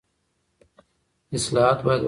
اصلاحات باید واقعي وي.